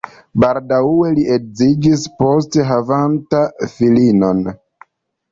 Baldaŭe li edziĝis, poste havanta filinon.